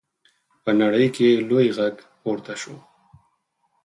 په نړۍ کې یې لوی غږ پورته شو.